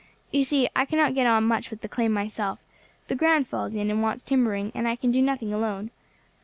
You see I cannot get on much with the claim by myself; the ground falls in and wants timbering, and I can do nothing alone.